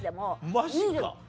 マジか。